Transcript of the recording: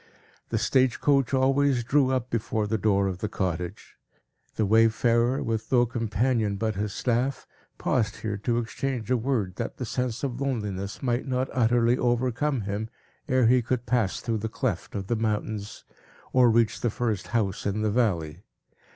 The stage coach always drew up before the door of the cottage. The wayfarer, with no companion but his staff, paused here to exchange a word, that the sense of loneliness might not utterly overcome him, ere he could pass through the cleft of the mountain, or reach the first house in the valley.